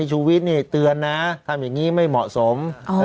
ชูวิทย์เตือนนะทำอย่างนี้ไม่เหมาะสม